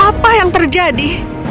apa yang terjadi